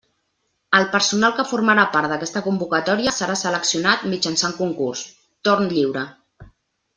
El personal que formarà part d'aquesta convocatòria serà seleccionat mitjançant concurs, torn lliure.